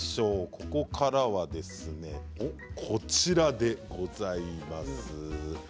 ここからは、こちらでございます。